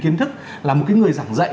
kiến thức là một cái người giảng dạy